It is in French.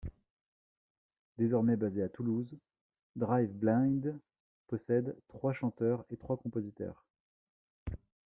Désormais basé à Toulouse, Drive Blind possède trois chanteurs et trois compositeurs.